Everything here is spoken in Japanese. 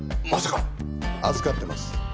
預かってます。